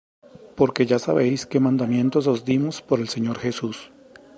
Porque ya sabéis qué mandamientos os dimos por el Señor Jesús.